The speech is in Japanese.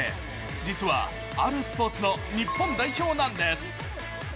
実はあるスポーツの日本代表なんです。